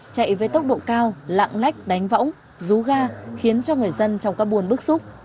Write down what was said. chạy với tốc độ cao lạng lách đánh võng rú ga khiến cho người dân trong các buôn bức xúc